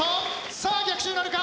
さあ逆襲なるか？